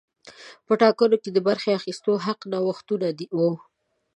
په ټاکنو کې د برخې اخیستو حق نوښتونه وو.